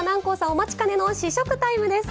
お待ちかねの試食タイムです。